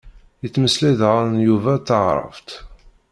Yettmeslay diɣen Yuba taɛrabt.